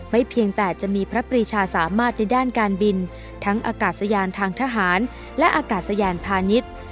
เพียงแต่จะมีพระปรีชาสามารถในด้านการบินทั้งอากาศยานทางทหารและอากาศยานพาณิชย์